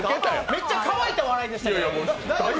めっちゃかわいた笑いでしたよ。